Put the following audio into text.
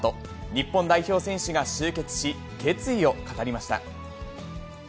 日本代表選手が集結し、決意を語りました。